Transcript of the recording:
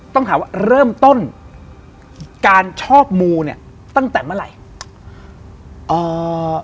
ต้องถามว่าเริ่มต้นการชอบมูเนี่ยตั้งแต่เมื่อไหร่